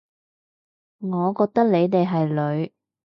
我覺得你哋係女